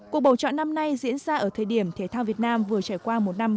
cuộc bầu chọn năm nay diễn ra ở thời điểm thể thao việt nam vừa trải qua một năm